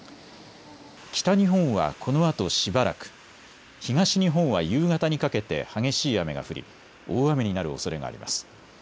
北日本はこのあとしばらく、東日本は夕方にかけて激しい雨が降り大雨になるおそれがあります。